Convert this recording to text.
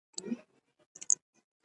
احمد له ډېرې مجردۍ ورسته خپل کور ودان کړ.